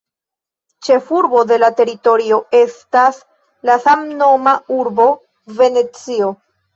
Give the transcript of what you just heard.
Ĉefurbo de la teritorio estas la samnoma urbo Venecio.